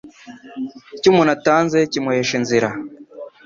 Icyo umuntu atanze kimuhesha inzira